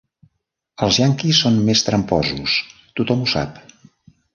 Els ianquis són més tramposos, tothom ho sap.